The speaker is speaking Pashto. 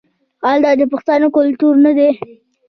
آیا دا د پښتنو کلتور نه دی؟